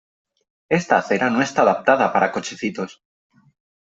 Esta acera no está adaptada para cochecitos.